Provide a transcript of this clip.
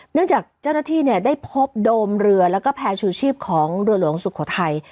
จากเจ้าหน้าที่ได้พบโดมเรือแล้วก็แพร่ชูชีพของเรือหลวงสุโขทัย